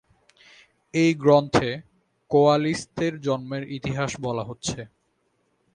এই গ্রন্থে কোয়ালিস্টদের জন্মের ইতিহাস বলা হচ্ছে।